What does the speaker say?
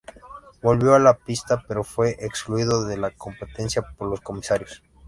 Volvió a la pista pero fue excluido de la competencia por los comisarios.